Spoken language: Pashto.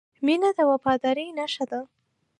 • مینه د وفادارۍ نښه ده.